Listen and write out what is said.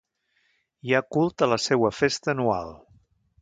Hi ha culte a la seua festa anual.